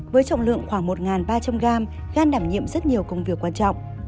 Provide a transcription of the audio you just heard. với trọng lượng khoảng một ba trăm linh gram gan đảm nhiệm rất nhiều công việc quan trọng